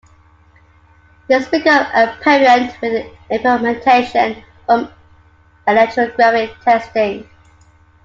This became apparent with the implementation of electrographic testing.